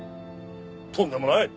とんでもない！